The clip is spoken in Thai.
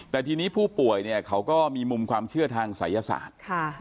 แต่ทีนี้ผู้ป่วยเนี่ยเขาก็มีมุมความเชื่อทางศัยศาสตร์